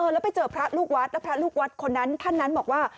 แล้วไปเจอพระลูกวัดพระลูกวัดท่านนั้นบอกว่า